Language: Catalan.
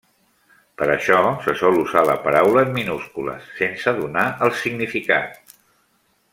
Per això se sol usar la paraula en minúscules, sense donar el significat.